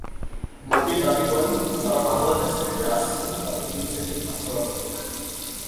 মোদি দাবি করেন, যাঁরা বাংলাদেশ থেকে আসছেন, তাঁদের দুই শ্রেণীতে ভাগ করা দরকার।